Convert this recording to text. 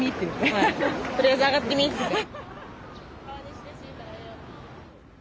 はいとりあえず上がってみっつって。